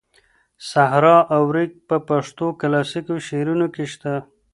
صحرا او ریګ په پښتو کلاسیکو شعرونو کې شته.